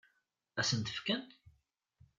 Ad sen-t-fken?